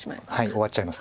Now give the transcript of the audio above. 終わっちゃいます。